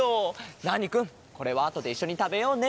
ナーニくんこれはあとでいっしょにたべようね。